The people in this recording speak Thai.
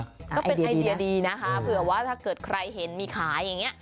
ก็เป็นไอเดียดีนะคะเผื่อว่าถ้าเกิดใครเห็นมีขายอย่างนี้